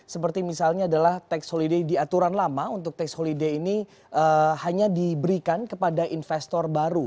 seperti misalnya adalah tax holiday di aturan lama untuk tax holiday ini hanya diberikan kepada investor baru